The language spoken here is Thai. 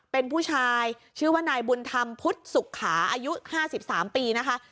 เป็นผู้ชายชื่อว่านายบุญธรรมพุทธสุขาอายุ๕๓ปีนะคะ